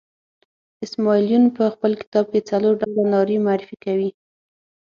اسماعیل یون په خپل کتاب کې څلور ډوله نارې معرفي کوي.